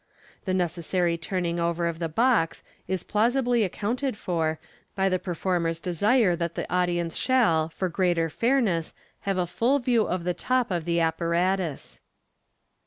The necessary turning over of the box is plausioly accounted for by the performer's desire that the audience shall, for greater fairness, have a full view of the top of the appa ratus.